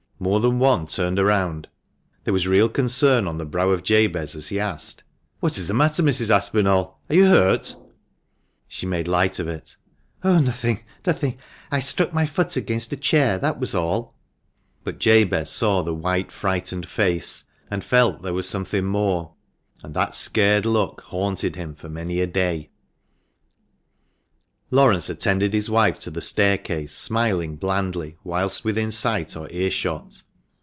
More than one turned round. There was real concern on the brow of Jabez as he asked — "What is the matter, Mrs. Aspinall? Are you hurt?" She made light of it. " Oh, nothing, nothing. I struck my foot against a chair — that was all." But Jabez saw the white, frightened face, and felt there was something more ; and that scared look haunted him for many a day. Laurence attended his wife to the staircase, smiling blandly whilst within sight or earshot.